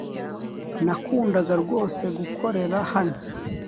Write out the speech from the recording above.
Nakundaga rwose gukorera hano